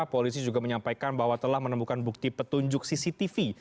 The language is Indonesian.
polisi juga menyampaikan bahwa telah menemukan bukti petunjuk cctv